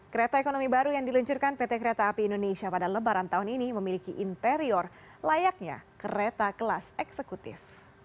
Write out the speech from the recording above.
kereta ekonomi baru yang diluncurkan pt kereta api indonesia pada lebaran tahun ini memiliki interior layaknya kereta kelas eksekutif